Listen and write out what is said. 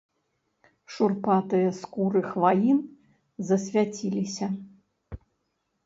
Шурпатыя скуры хваін засвяціліся.